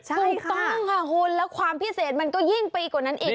ถูกต้องค่ะคุณแล้วความพิเศษมันก็ยิ่งไปกว่านั้นอีก